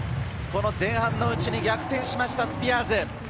前半のうちに逆転しました、スピアーズ。